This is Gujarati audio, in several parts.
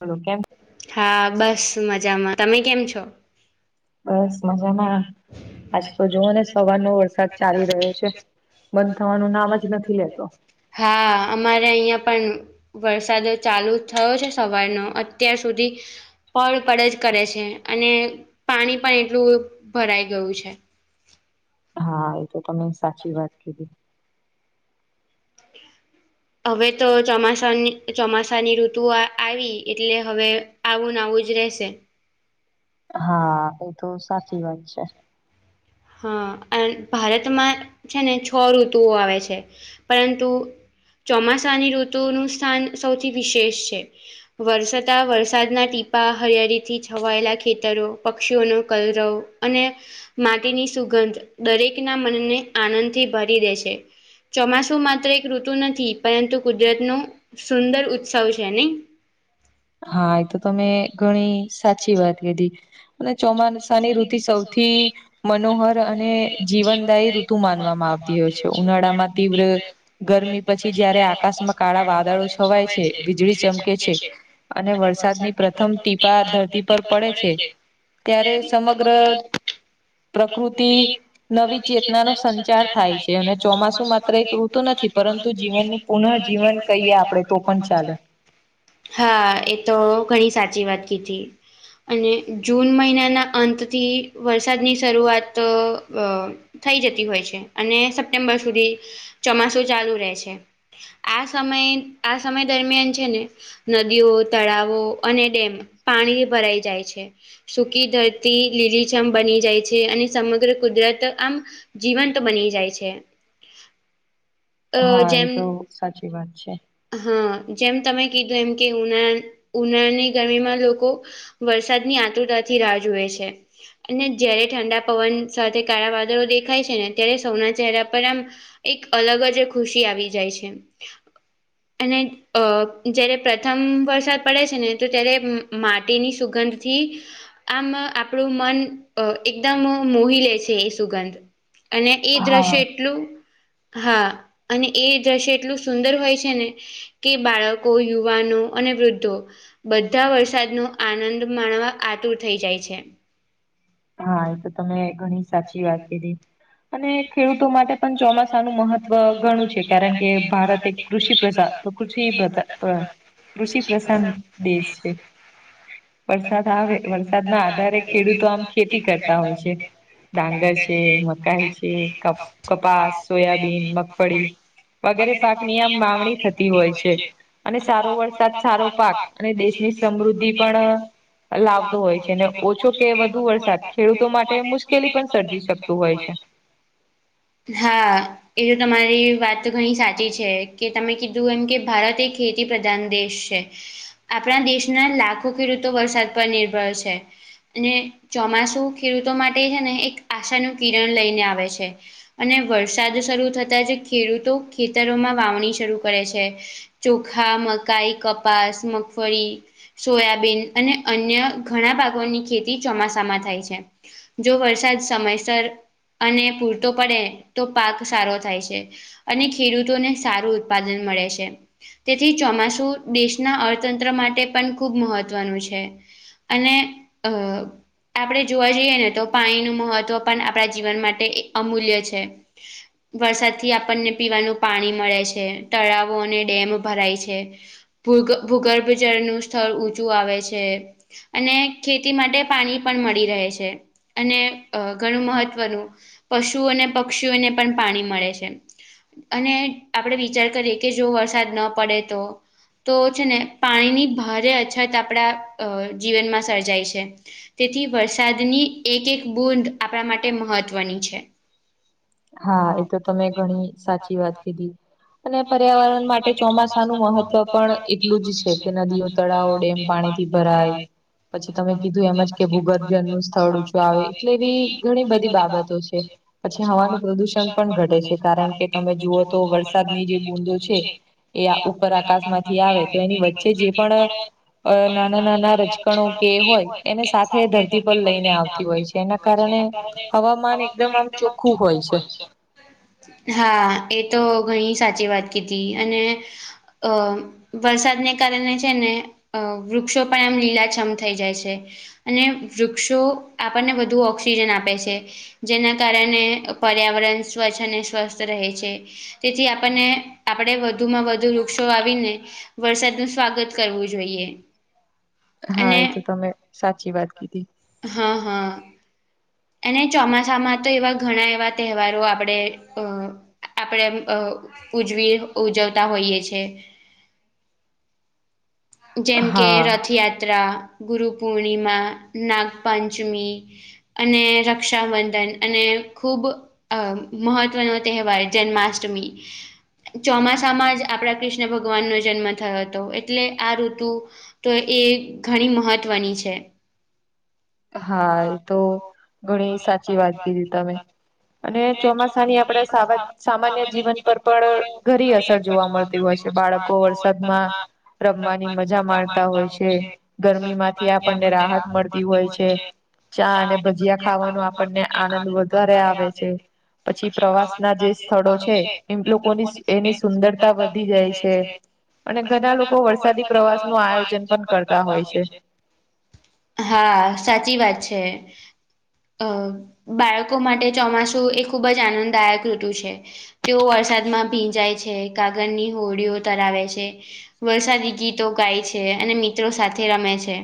હલો કેમ હા બસ મજામાં તમે કેમ છો. બસ મજામાં આજ તો જોવઓ ને સવારનો વરસાદ ચાલી રહ્યો છે. બંધ થવાનું નામ જ નથી લેતો હા અમારે અહિયાં પણ વરસાદ ચાલુ થયો છે, સવારનો અત્યાર સુધી પળપડ જ કરે છે, અને પાણી પણ એટલું ભરાઈ ગયું છે. હા, એ તો તમે સાચી વાત કીધી હવે તો ચોમાસાની ચોમાસાની ઋતુ આવી એટલે હવે આવું આવું જ રહેશે હા એ તો સાચી વાત છે. હા ભારતમાં છે ને છ ઋતુઓ આવે છે પરંતુ ચોમાસાની ઋતુનું સ્થાન સૌથી વિશેષ છે. વરસતા વરસાદના ટીપા હરિયાળથી છવાયેલા ખેતરો પક્ષીઓનો કલરવ અને માટીની સુગંધ દરેકના મનને આનંદથી ભરી દે છે. ચોમાસું માત્ર એક ઋતુ નથી પરંતુ કુદરત નો સુંદર ઉત્સવ છે, નહી હા એ તો તમે ઘણી સાચી વાત કધી અને ચોમાનસાની ઋતિ સૌથી મનોહર અને જીવનદાયી માનવામાં આવતી હોય છે, ઉનાળામાં તીવ્ર ગરમી પછી જયારે આકાસ્મ કાળા વાદળો છવાય છે વીજળી ચમકે છે. વરસાદની પ્રથમ ટીપા ધરતી પર પડે છે. ત્યારે સમગ્ર પ્રકૃતિ નવી ચેતના નો સંચાર થાય છે, અને ચોમાસું માત્ર એક ઋતુ નથી. પરંતુ જીવનનું પુનઃ જીવન કહીએ આપડણે તો પણ ચાલે હા એ તો ઘણી સાચી વાત કીધી અને જૂન મહિનાના અંતથી વરસાદની શરૂઆત થઈ જતી હોય છે અને સપ્ટેમ્બર સુધી ચોમાસું ચાલુ રહે છે. આ સમય આ સમય દરમિયાન છેને નદીઓ તળાવો અને ડેમ પાણી ભરાઈ જાય છે. સુૂકી ધરતી લીલીચમ બની જાય છે અને સમગ્ર કુદરત આમ જીવંત બની જાય છે. અ હા એ જેમ તો સાચી વાત છે. હા જેમ તમે કીધું એમ કે ઉનાા ઉનાળાની ગરમીમાં લોકો વરસાદની આતુરતાથી રાહ જોુએ છે. અને જયારે ઠંડા પવન સાથે કાળા વાદળો દેખાય છેને, ત્યારે સૌના ચહેરા પર આમ એક અલગ જ ખુશી આવી જાય છે. અને અ જારે પ્રથમ વરસાદ પડે છેને, તો ત્યારે માટીની સુગંધથી આમ આપણું મન એકદમ મોહી લે છે, એ સુગંધ અને એ હા. દ્રશ્ય એટલુ હા અને એ દ્રશ્ય એટલું સુંદર હોય છેને. કે બાળકો યુવાનો અને વૃદ્ધો- બધા વરસાદ નો આનંદ માણવા આતુર થઈ જાય છે. હા એ તો તમે ઘણી સાચી વાત કીધી- અને ખેડૂતો માટે પણ ચોમાસાનું મહત્વ ઘણું છે કારણ કે ભારત એક કૃષિ પ્રજા- તો કૃષિ બધ કૃષિ પ્રસાન- દેશ છે વરસાદ આવે વરસાદ ના આધારે ખેડૂતો આમ- ખેતી કરતા હોય છે ડાંગર છે મકાઈ છે કપ- કપાસ સોયાબીન મગફળી વગેરે પાકની આમ વામાંવણી થતી હોય છે. અને સારો વરસાદ સારો પાક અને દેશની સમૃદ્ધિ પણ- લાવતો હોય છે ને ઓછો કે વધુ વર્ષ- ખેડૂતો માટે મુશ્કેલી પણ સર્જી શકતું હોય છે. હા એ તો તમારી વાત ઘણી સાચી છે કે તમે કીધું એમ કે ભારત એ ખેતી- પ્રધાન દેશ છે આપણા દેશના લાખો ખેડૂતો વરસાદ પર નિર્ભર છે. અને ચોમાસુ ખેડૂતો માટે છે ને એક આશાનુંું કિરણ લઈને આવે છે. અને વરસાદ શરૂ થતાં જ ખેડૂતો ખેતરોમાં વાવણી શરૂ કરે છે. ચોખા મકાઈ કપાસ મગફળી- સોયાબીન અને અન્ય ઘણા ભાગોની ખેતી ચોમાસામાં થાય છે. જો વરસાદ સમયસર અને પૂરતો પડે? તો પાક સારો થાય છે. અને ખેડૂતોને સારું ઉત્પાદન મળે છે. તેથી ચોમાસું દેશના અર્થતંત્ર માટે પણ ખૂબ મહત્વનું છે. અને અ આપણે જોવા જઈએ ને તો પાણી ન મહત્વ પણ આપણા જીવન માટે અમૂલ્ય છે. [inaudible] વરસાદ થી આપણને પીવાનું પાણી મળે છે તળાવો અને ડેમ ભરાય છે. ભૂ ભૂગર્ભ જળનું સ્થળ ઊંચું આવે છે. અને ખેતી માટે પાણી પણ મળી રહે છે. અને ઘણું મહત્વનું પશુ અને પક્ષીઓને પણ પાણી મળે છે. અને આપડે વિચાર કરીએ કે જો વરસાદ ન પડે તો? તો છે ને પાણીની ભારે અછત આપણા જીવનમાં સર્જાય છે. તેથી વરસાદની એક એક બૂદ આપણા માટે મહત્વની છે. હા એ તો તમે ઘણી સાચી વાત કીધી- અને પર્યાવરણ માટે ચોમાસાનુંું મહત્વ પણ એટલું જ છે કે નદીઓ તળાવો ડેમ પાણીથી- ભરાઈ પછી તમે કીધું એમજ કે ભૂગર્ભન નું સ્થળ છું આવે એટલે એવી ઘણી બધી બાબતો છે. પછી હવાનું પ્રદુષણ પણ ઘટે છે કારણ કે તમે જુઓ તો વરસાદની જે બુંદો છે. એ ઉપર આકાશમાંથી આવે તો એની વચ્ચે જે પણ અ નાના નાના રચકણો કે હોય એને સાથે ધરતી પર લઈને આવતી હોય છે. જેના કારણે હવામાન એકદમ આમ ચોખ્ખું હોય છે. હા એ તો ઘણી સાચી વાત કીધી અને અ વરસાદને કારણે છે ને- અ વૃક્ષો પણ એમ લીલાછમ થઈ જાય છે. અને વૃક્ષો આપણને બધું ઓક્સિજન આપે છે. જેના કારણે પર્યાવરણ સ્વચ્છ અને સ્વસ્થ રહે છે. તેથી આપણને આપણે વધુમાં વધુ વૃક્ષો આવીને. વરસાદ ન સ્વાગત કરવું જોઈએ. હા અને એ તો તમે સાચી વાત કીધી. હા હા. અને ચોમાસામાં તો એવા ઘણા એવા તહેવારો આપણે અ આપણે. ઉજવી ઉજવતા હોઈએ છે. જેમ કે હા રથયાત્રા ગુરુપૂર્ણિમા નાગપંચમી. અને રક્ષાબંધન અને ખૂબ અ મહત્વનો તહેવાર જન્માષ્ટમી. ચોમાસામાં જ આપડા કૃષ્ણ ભગવાન નો જન્મ થયો હતો એટલે આ ઋતુ તો એ ઘણી મહત્વની છે. હા એ તો ઘણી સાચી વાત કીધી તમે. અને ચોમાસાની આપણે સાવધ સામાન્ય જીવન પર પણ ઘરી અસર જોવા મળતી હોય છે. કે બાળકો વરસાદમાં રમવાની મજા માણતા હોય છે ગરમી માંથી આપણને રાહત મળતી હોય છે ચા અને ભજીયા ખાવાનો આપણને આનંદ વધારે આવે છે. પછી પ્રવાસના જે સ્થળો છે એમ લોકોની એની સુંદરતા વધી જાય છે. અને ઘના લોકો વરસાદી પ્રવાસ નું આયોજન પન કરતા હોય છે. હા સાચી વાત છે. અ બાળકો માટે ચોમાસું એ ખૂબ જ આનંદદાયક ઋતુ છે. તેઓ વરસાદમાં ભીંજાય છે કાગળની હોડીઓ તરાવે છે. વરસાદી ગીતો ગાય છે અને મિત્રો સાથે રમે છે.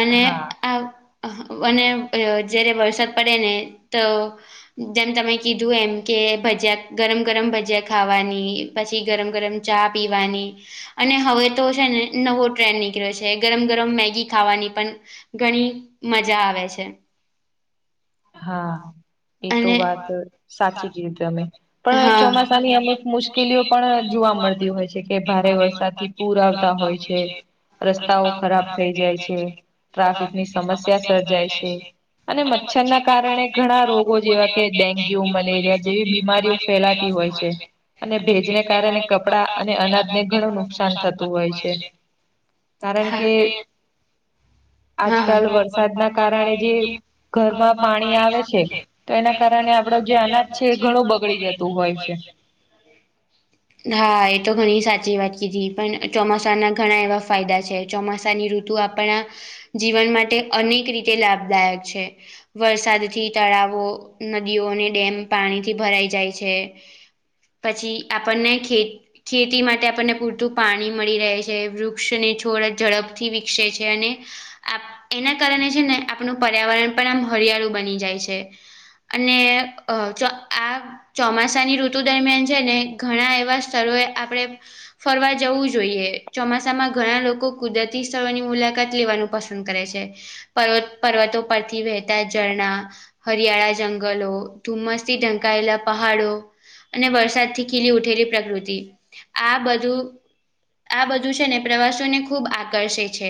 અને હા આ આહ વ અને અ જારે વરસાદ પડે ને તો જેમ તમે કીધું એમ કે ભજીયા ગરમ ગરમ ભજયા ખાવાની પછી ગરમ ગરમ ચા પીવાની અને હવે તો છે ને નવો ટ્રેન્ડ નીકળ્યો છે ગરમ ગરમ મેગી ખાવાની પન ઘણી મજા આવે છે. હા. એ તો અને વાત સાચી કીધ તમે પણ હા. ચોમાસાની અમુક મુશ શ્કેલીઓ પણ જોવા મળતી હોય છે કે ભારે વરસાદથી પૂર આવતા હોય છે. રસ્તાઓ ખરાબ થઈ જાય છે ટ્રાફિકની સમસ્યા સર્જાય છે. તો મચ્છર ના કારણે ઘણા રોગો જેવા કે ડેન્ગ્યુ, મલેરિયા જેવી બીમારીઓ ફેલાતી હોય છે. અને ભેજને કારણે કપડાં અને અનાજને ઘણું નુકસાન થતું હોય છે. કારણ હા કે હા આજકાલ હા. વરસાદના કારણે જે ઘરમાં પાણી આવે છે તો એના કારણે આપડો જે અનાજ છે એ ઘણું બગડી જતું હોય છે.. હા એ તો ઘણી સાચી વાત કીધી પણ ચોમાસા ના ઘણા એવા ફાયદા છે ચોમાસાની રુ તુ આપણા જીવન માટે અનેક રીતે લાભદાયક છે. વરસાદથી તળાવો, નદીઓને ડેમ પાણીથી ભરાઈ જાય છે. પછી આપણને ખેત ખેતી માટે આપણને પૂરતું પાણી મળી રહે છે વૃક્ષને છોડ ઝડપથી વિકસે છે અને આપ એના કારણે છે ને આપણું પર્યાવરણ પણ આમ હરિયાળું બની જાય છે. અને અ જો આ ચોમાસાની ઋતુ દરમિયાન છે ને ઘણા એવા સ્થળોએ આપડે ફરવા જવું જોઈએ ચોમાસામાં ઘણા લોકો કુદરતી સ્થળોની મુલાકાત લેવાનું પસંદ કરે છે પર્વત પર્વતો પરથી વહેતા ઝરણા હરિયાળા જંગલો ધુમ્મસ થી ઢંકાયેલા પહાડો અને વરસાદથી ખીલી ઉઠેલી પ્રકૃતિ આ બધું આ બધું છે ને પ્રવાસીઓને ખૂબ આકર્ષે છે.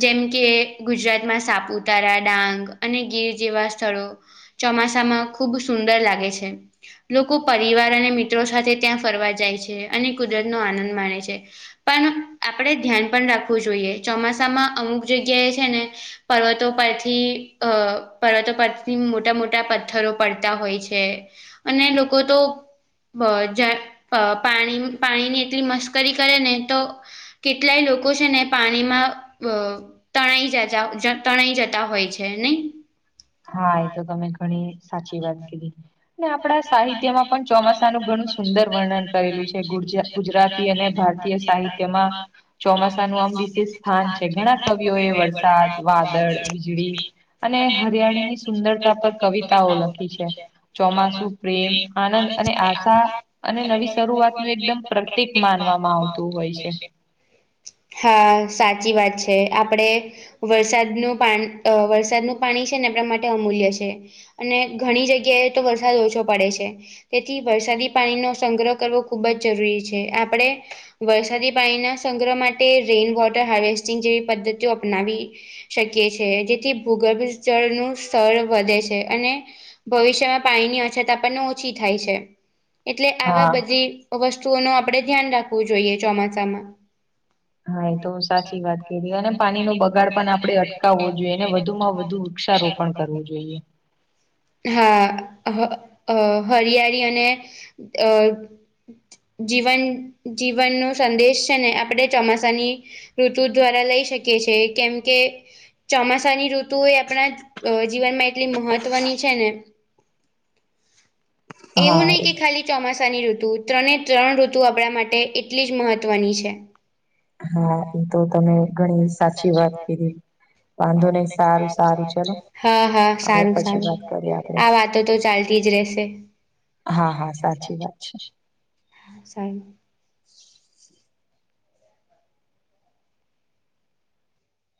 જેમ કે ગુજરાતમાં સાપુ તારા ડાંગ અને ગીર જેવા સ્થળો ચોમાસામાં ખુબ સુંદર લાગે છે. લોકો પરિવાર અને મિત્રો સાથે ત્યાં ફરવા જાય છે. અને કુદરતનો આનંદ માણે છે. પણ આપણેે ધ્યાન પણ રાખવું જોઈએ. ચોમાસામાં અમુક જગ્યાએ છે ને પર્વત તો પરથી અ પર્વતો પરથી મોટા મોટા પથ્થરો પડતા હોય છે. અને લોકો તો બ જાર અ પાણીની પાણી ની એટલી મસ્કરી કરે ને તો કેટલાય લોકો છે ને પાણીમાં અ તણાઈ જતા જ તણાઈ જતા હોય છે નહી. હા એ તો તમે ઘણી સાચી વાત કીધી. ને આપડા સાહિત્યમાં પણ ચોમાસાનું ઘણું સુંદર વર્ણન કરેલું છે. [unintelligible] ગુજરાતી અને ભારતીય સાહિત્યમાં ચોમાસા નું આમ વિશેષ સ્થાન છે. ઘણા કવિઓ એ વરસાદ, વાદળ, વીજળી અને હરિયાણીની સુંદરતા પર કવિતા ઓ લખી છે. ચોમાસું પ્રેમ આનંદ અને આશા અને નવી શરૂઆતનું એકદમ પ્રતીક માનવામાં આવતું હોય છે. હા સાચી વાત છે. આપડે વરસાદનું પાણી અ વરસાદનું પાણી છે ને આપણા માટે અમૂલ્ય છે. અને ઘણી જગ્યાએ તો વરસાદ ઓછો પડે છે. તેથી વરસાદી પાણીનો સંગ્રહ કરવો ખૂબ જ જરૂરી છે. આપણે વરસાદી પાણીના સંગ્રહ માટે રેઇન વોટર હાર્વેસ્ટિંગ જેવી પદ્ધતિઓ અપનાવી શકીએ છે જેથી ભૂગર્ભ જળનું સ્તર વધે છે. અને ભવિષ્યમાં પાણીની અછત આપણને ઓછી થાય છે. એટલે આવા હા બધી વસ્તુઓ નો આપડે ધ્યાન રાખવું જોઈએ ચોમાસામાં. હા એ તો સાચી વાત કિધી અને પાણી નો બગાડ પણ આપણે અટકાવવો જોઈએ ને વધુમાં વધુ વૃક્ષારોપણ કરવું જોઈએ. હા અ હ હરિયાળી અને અ જીવન જીવન નો સંદેશ છે ને આપણે ચોમાસાની ઋતુ દ્વારા લઈ શકીએ છે કેમ કે ચોમાસાની ઋતુ એ આપણા જીવનમાં એટલી મહત્વની છે ને. એવું હા નહીં એ કે ખાલી ચોમાસાની ઋતુ ત્રણે ત્રણ ઋતુ આપણા માટે એટલી જ મહત્વની છે. હા એ તો તમે ઘણી સાચી વાત કીધી. વાંધો નહી સારું સારું ચલો હા હા હવે સારું પછી વાત સારું. કરીએ આપડે આ વાતો તો ચાલતી જ રહેશે. હા હા સાચી વાત છે. [unintelligible] [inaudible]